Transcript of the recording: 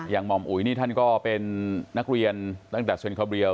อย่างมอมอุ๋ยนี่ท่านก็เป็นนักเรียนตั้งแต่เศรษฐ์สเวนท์ครอบเรียว